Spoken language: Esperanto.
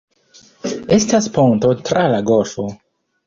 Estas ponto tra la golfo.